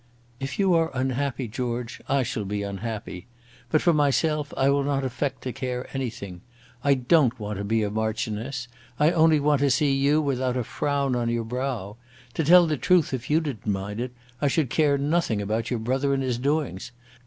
"If you are unhappy, George, I shall be unhappy. But for myself I will not affect to care anything. I don't want to be a Marchioness. I only want to see you without a frown on your brow. To tell the truth, if you didn't mind it, I should care nothing about your brother and his doings.